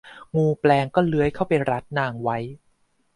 งูแปลงก็เลื้อยเข้าไปรัดนางไว้